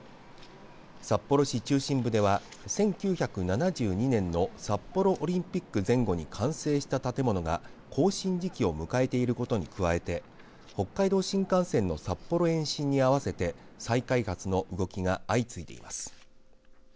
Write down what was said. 札幌市中心部では１９７２年の札幌オリンピック前後に完成した建物が更新時期を迎えていることに加えて北海道新幹線の札幌延伸に合わせて再開発の動きが相次いでいます。